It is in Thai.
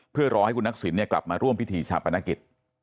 เพื่อรอให้คุณทักษิณกลับมาร่วมพิธีชาปนกิจ